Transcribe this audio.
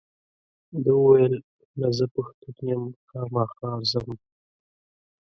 ده وویل نه زه پښتون یم خامخا ځم.